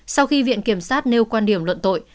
sau khi viện kiểm sát nêu quan điểm luận tội